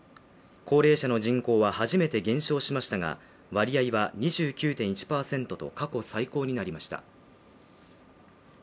高齢者の人口は初めて減少しましたが割合は２９．１％と、過去最高になりました。